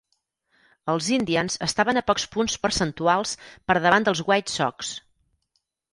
Els Indians estaven a pocs punts percentuals per davant dels White Sox.